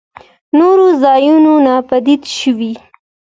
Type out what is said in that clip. نورو ځايونو ناپديد شوي.